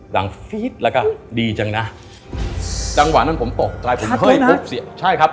ฟีดแล้วก็ดีจังนะจังหวะนั้นผมตกใจผมเฮ้ยปุ๊บเสียใช่ครับ